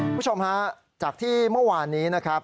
คุณผู้ชมฮะจากที่เมื่อวานนี้นะครับ